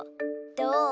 どう？